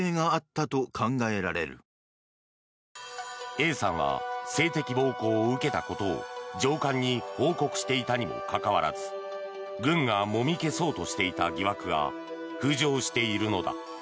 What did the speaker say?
Ａさんは性的暴行を受けたことを上官に報告していたにもかかわらず軍がもみ消そうとしていた疑惑が浮上しているのだ。